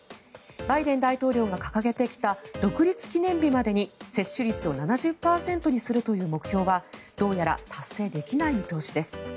バイデン大統領が掲げてきた独立記念日までに接種率を７０％にするという目標はどうやら達成できない見通しです。